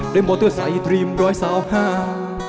โดยมอเตอร์ใส่ดรีมร้อยเสาห้า